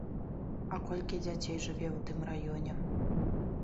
А колькі дзяцей жыве ў тым раёне.